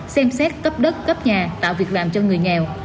xem xét cấp đất cấp nhà tạo việc làm cho người nghèo